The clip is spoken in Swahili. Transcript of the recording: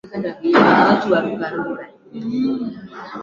kwa mabavu Mashindano pekee yanayoruhusiwa kwa Mkristo